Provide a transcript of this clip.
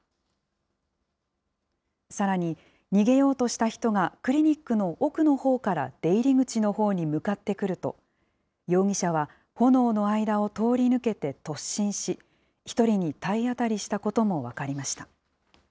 さらに逃げようとした人が、クリニックの奥のほうから出入り口のほうに向かってくると、容疑者は炎の間を通り抜けて突進し、１人に体当たりしたことも分かりました。